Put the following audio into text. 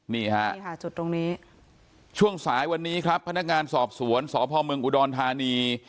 นี่ฮะนี่ค่ะจุดตรงนี้ช่วงสายวันนี้ครับพนักงานสอบสวนสพเมืองอุดรธานี